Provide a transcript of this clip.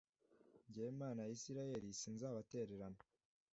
jyewe Imana ya Israheli, sinzabatererana.